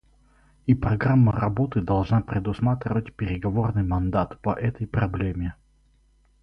И программа работы должна предусматривать переговорный мандат по этой проблеме.